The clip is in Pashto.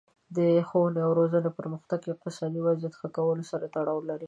د ښوونې او روزنې پرمختګ د اقتصادي وضعیت ښه کولو سره تړاو لري.